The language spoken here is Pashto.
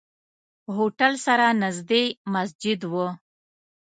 هوټل سره نزدې مسجد وو.